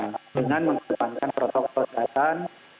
dengan mengedepankan protokol kesehatan